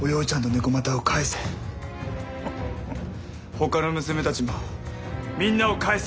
ほかの娘たちもみんなを返せ。